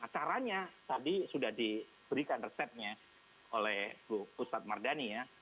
caranya tadi sudah diberikan resepnya oleh bu ustadz mardani ya